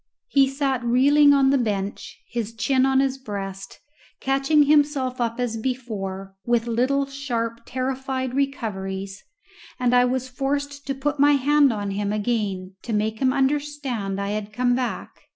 He sat reeling on the bench, his chin on his breast, catching himself up as before with little sharp terrified recoveries, and I was forced to put my hand on him again to make him understand I had come back.